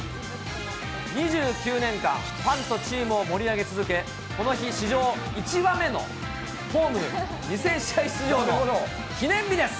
２９年間、ファンとチームを盛り上げ続け、この日、史上１羽目のホーム２０００試合出場の記念日です。